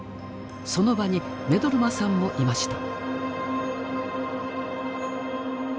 その場に目取真さんもいました。